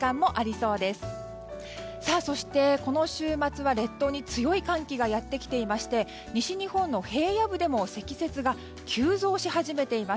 そして、この週末は列島に強い寒気がやってきていまして西日本の平野部でも積雪が急増し始めています。